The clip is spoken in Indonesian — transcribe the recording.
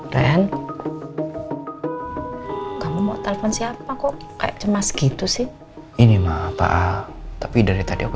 ren kamu mau telepon siapa kok kayak cemas gitu sih ini mah apa tapi dari tadi aku